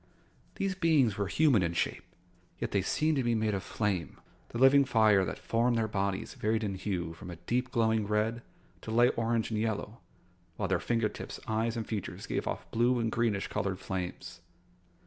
These beings were human in shape, yet they seemed to be made of flame. The living fire that formed their bodies varied in hue from a deep, glowing red to light orange and yellow, while their finger tips, eyes, and features gave off blue and greenish colored flames.